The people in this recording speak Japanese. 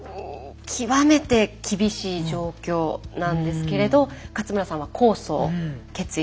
極めて厳しい状況なんですけれど勝村さんは控訴を決意します。